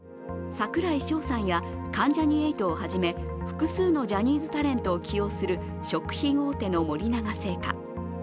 櫻井翔さんや関ジャニ∞をはじめ複数のジャニーズタレントを起用する食品大手の森永製菓。